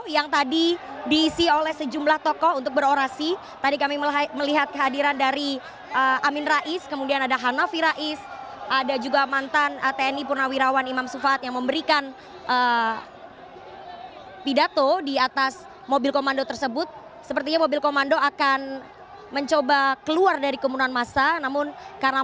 yang anda dengar saat ini sepertinya adalah ajakan untuk berjuang bersama kita untuk keadilan dan kebenaran saudara saudara